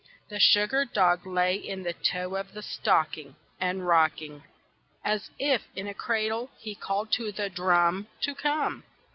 THE sugar dog lay in the toe of the stocking, And rocking, As if in a cradle, he called to the drum To come.